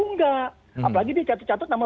nggak apalagi dia catut catut nama